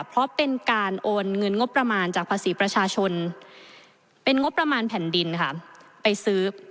เพราะเป็นการโอนเงินงบประมาณจากภาษีประชาชนเป็นงบประมาณแผ่นดินค่ะไปซื้อ